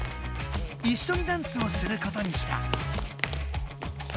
いっしょにダンスをすることにした。